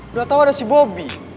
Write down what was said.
udah tau ada si bobi